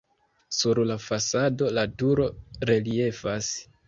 Sur la fasado la turo reliefas.